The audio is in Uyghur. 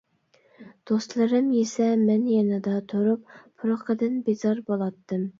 دوستلىرىم يېسە مەن يېنىدا تۇرۇپ پۇرىقىدىن بىزار بولاتتىم.